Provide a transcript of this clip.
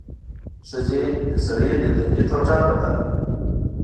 ښځې د سړي د تندي ټوټه بدله کړه.